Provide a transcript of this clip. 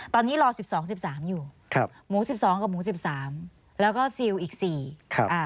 ตอนนี้รอ๑๒๑๓อยู่โมง๑๒กับโมง๑๓แล้วก็ซิลอีก๔